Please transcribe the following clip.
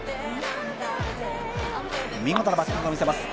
見事なバッティングを見せます。